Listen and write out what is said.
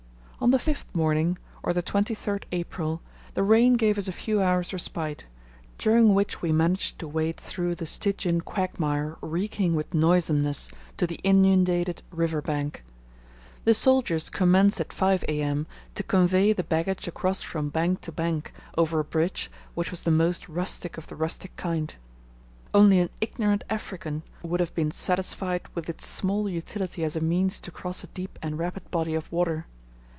On the fifth morning, or the 23rd April, the rain gave us a few hours' respite, during which we managed to wade through the Stygian quagmire reeking with noisomeness to the inundated river bank. The soldiers commenced at 5 A.M. to convey the baggage across from bank to bank over a bridge which was the most rustic of the rustic kind. Only an ignorant African would have been satisfied with its small utility as a means to cross a deep and rapid body of water.